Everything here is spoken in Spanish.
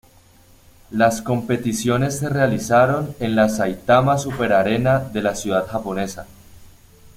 Las competiciones se realizaron en la Saitama Super Arena de la ciudad japonesa.